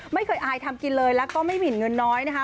ไม่เคยอายทำกินเลยแล้วก็ไม่มีเงินน้อยนะคะ